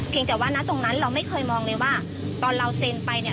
แต่ว่าณตรงนั้นเราไม่เคยมองเลยว่าตอนเราเซ็นไปเนี่ย